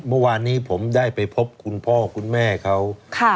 เมื่อวานนี้ผมได้ไปพบคุณพ่อคุณแม่เขา